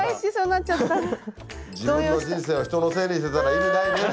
自分の人生を人のせいにしてたら意味ないね